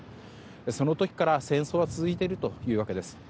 その時から戦争は続いているわけです。